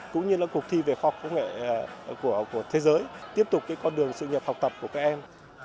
cũng như là cuộc thi về khoa học công nghệ của thế giới tiếp tục cái con đường sự nhập học tập của các em